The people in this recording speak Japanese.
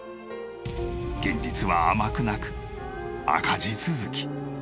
現実は甘くなく赤字続き。